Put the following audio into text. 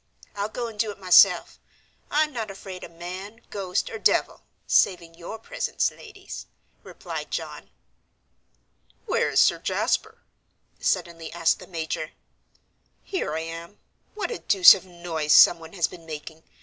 I'll go and do it myself; I'm not afraid of man, ghost, or devil, saving your presence, ladies," replied John. "Where is Sir Jasper?" suddenly asked the major. "Here I am. What a deuce of a noise someone has been making.